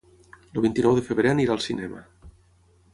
El vint-i-nou de febrer irà al cinema.